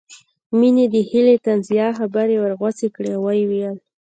مينې د هيلې طنزيه خبرې ورغوڅې کړې او ويې ويل